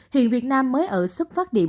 hiện việt nam mới ở xuất phát điểm